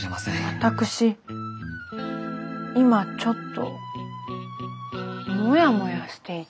私今ちょっとモヤモヤしていて。